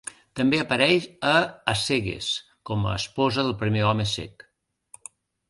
També apareix a "A cegues" com a esposa del primer home cec.